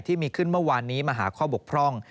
ที่มีขึ้นเมื่อวานนี้มาหาข้อบกพร่อง